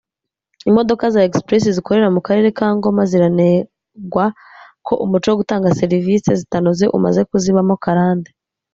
imodoka za express zikorera mu karere ka Ngoma ziranegwa ko umuco wo gutanga service zitanoze umaze kuzibamo karande